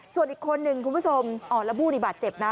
ส่วนอีกคนนึงคุณผู้ชมอ๋อแล้วผู้นี่บาดเจ็บนะ